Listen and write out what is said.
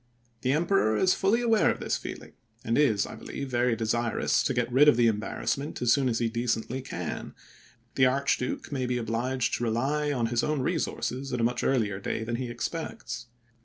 The Em peror is fully aware of this feeling, and is, I believe, very desirous to get rid of the embarrass ment as soon as he decently can; the Archduke may be obliged to rely on his own resources at a much earlier day than he expects.